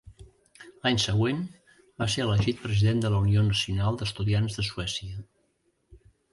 L'any següent, va ser elegit President de la Unió Nacional d'Estudiants de Suècia.